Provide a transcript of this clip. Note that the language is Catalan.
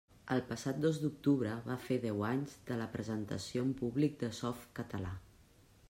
El passat dos d'octubre va fer deu anys de la presentació en públic de Softcatalà.